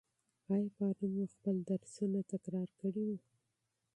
آیا پرون مو خپل درسونه تکرار کړي وو؟